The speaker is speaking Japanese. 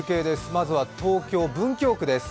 まずは東京・文京区です。